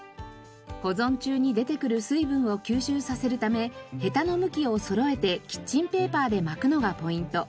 保存中に出てくる水分を吸収させるためヘタの向きをそろえてキッチンペーパーで巻くのがポイント。